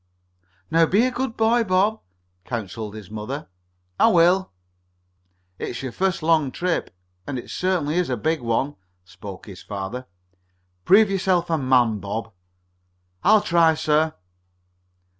"Now be a good boy, Bob," counseled his mother. "I will." "It's your first long trip, and it certainly is a big one," spoke his father. "Prove yourself a man, Bob." "I'll try, sir."